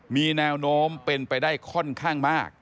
มีแนวโน้มเป็นไปได้ค่อนข้างมาก